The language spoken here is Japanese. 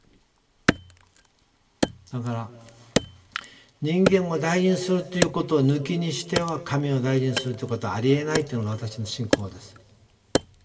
だから人間を大事にするということを抜きにしては神を大事にするということはありえないというのが私の信仰です。